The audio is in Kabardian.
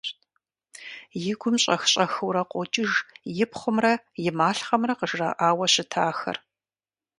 И гум щӀэх-щӀэхыурэ къокӀыж и пхъумрэ и малъхъэмрэ къыжраӀауэ щытахэр.